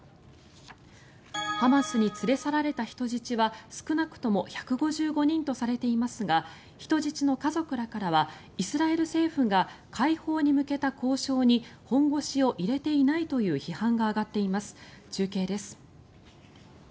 ハマスに連れ去られた人質は少なくとも１５５人とされていますが人質の家族らからはイスラエル政府が解放に向けた交渉に本腰を入れていないという批判が上がっています。